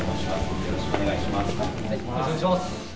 よろしくお願いします。